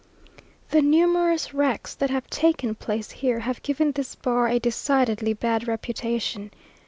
The numerous wrecks that have taken place here have given this bar a decidedly bad reputation.